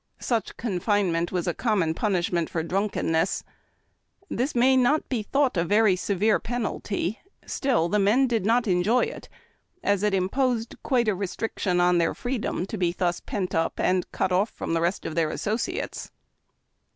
Such con finement was a common punishment for drunkenness. Tliis may not be thought a very severe penalty : still, the men did not enjoy it, as it imposed quite a restriction on their freedom to be thus pent up and cut off from the rest of tlieir associates.